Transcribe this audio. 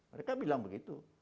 mereka bilang begitu